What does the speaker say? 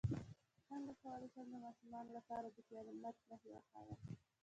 څنګه کولی شم د ماشومانو لپاره د قیامت نښې وښایم